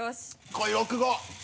来い６５！